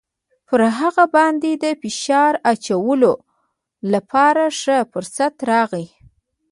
پر هغه باندې د فشار اچولو لپاره ښه فرصت راغلی.